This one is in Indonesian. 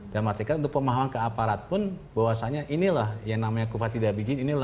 dan matikan untuk pemahaman ke aparat pun bahwasannya inilah yang namanya kufa tidak berizin